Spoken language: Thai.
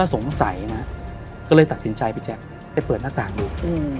สงสัยนะก็เลยตัดสินใจพี่แจ๊คไปเปิดหน้าต่างดู